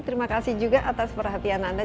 terima kasih juga atas perhatian anda